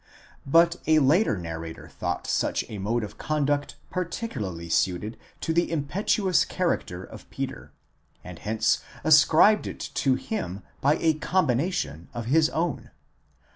but a later narrator thought such a mode of conduct particularly suited to the impetuous character of Peter, and hence ascribed it to him by a combination of his own.